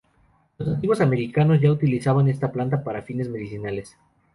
Los nativos americanos ya utilizaban esta planta para fines medicinales.